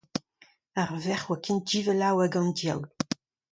Ar verc'h a oa ken divalav hag an diaoul.